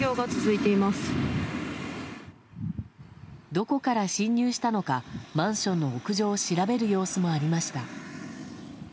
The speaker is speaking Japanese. どこから侵入したのかマンションの屋上を調べる様子もありました。